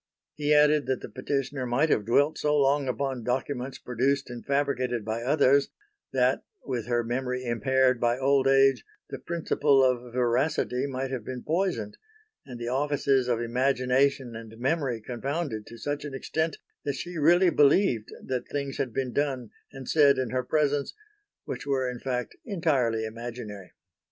He added that the Petitioner might have dwelt so long upon documents produced and fabricated by others, that, with her memory impaired by old age, the principle of veracity might have been poisoned, and the offices of imagination and memory confounded to such an extent that she really believed that things had been done and said in her presence which were in fact entirely imaginary.